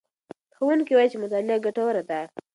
ښوونکی وایي چې مطالعه ګټوره ده.